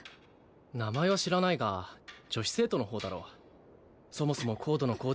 名前は知らないが女子生徒の方だろうそもそもコードの構築